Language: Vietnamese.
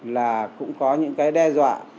là cũng có những cái đe dọa